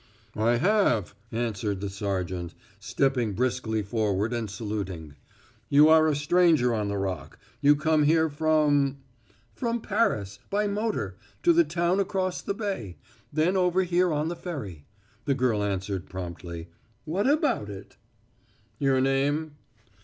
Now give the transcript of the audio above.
"I have," answered the sergeant, stepping briskly forward and saluting. "You are a stranger on the Rock. You come here from " "From Paris, by motor, to the town across the bay; then over here on the ferry," the girl answered promptly. "What about it?" "Your name?"